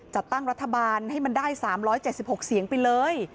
จัดตั้งรัฐบาลให้มันได้๓๗๖เสียงไปเลย